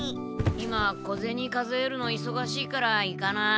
今小ゼニ数えるのいそがしいから行かない。